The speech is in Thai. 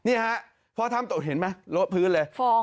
นี่เพราะทำตกเห็นไหมลดพื้นเลย